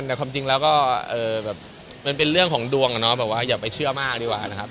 แบบทีแล้วก็มันเป็นเรื่องของดวงเนา่แบบว่าอย่าไปเชื่อมากดีกว่านะครับ